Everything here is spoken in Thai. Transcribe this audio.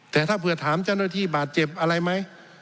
แต่ถ้าเผื่อถามเจ้าหน้าที่บาดเจ็บอะไรไหม